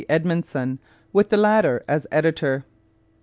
Edmundson, with the latter as editor.